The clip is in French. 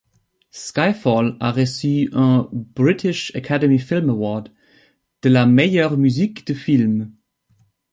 Skyfall a reçu un British Academy Film Award de la meilleure musique de film.